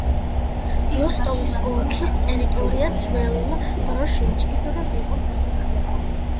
როსტოვის ოლქის ტერიტორია ძველ დროში მჭიდროდ იყო დასახლებული.